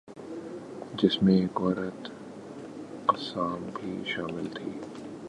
"جن میں ایک عورت "قطام" بھی شامل تھی"